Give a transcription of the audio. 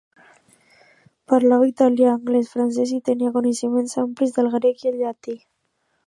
Parlava italià, anglès, francès i tenia coneixements amplis del grec i el llatí.